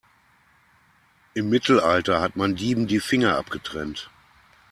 Im Mittelalter hat man Dieben die Finger abgetrennt.